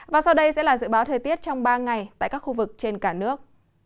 và sau đây sẽ là dự báo thời tiết trong ba ngày tại các khu vực trên cả nước